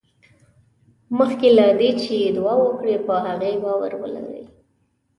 مخکې له دې چې دعا وکړې په هغې باور ولرئ.